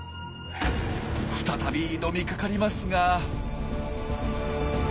再び挑みかかりますが。